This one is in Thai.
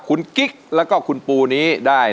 คุณกิ๊กแล้วก็คุณปูนี้ได้